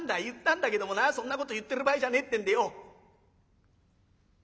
言ったんだけどもなそんなこと言ってる場合じゃねえってんでよ